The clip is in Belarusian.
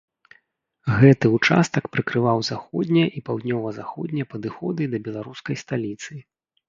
Гэты участак прыкрываў заходнія і паўднёва-заходнія падыходы да беларускай сталіцы.